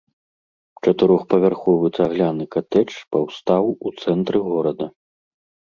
Чатырохпавярховы цагляны катэдж паўстаў у цэнтры горада.